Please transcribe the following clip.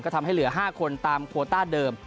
ทำให้เหลือ๕คนตามโคต้าเดิม